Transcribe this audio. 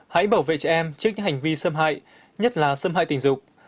hãy bảo vệ trẻ em trước những hành vi xâm hại nhất là xâm hại tình dục